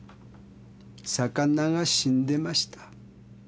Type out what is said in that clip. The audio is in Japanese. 魚が死んでました。